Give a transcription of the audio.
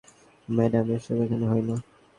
Madam এসব এখানে হয় না।